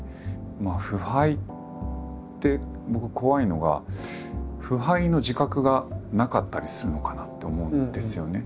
まあ腐敗って僕怖いのが腐敗の自覚がなかったりするのかなって思うんですよね。